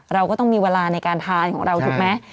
เราก็ต้องมีเวลาในการทานของเราถูกไหม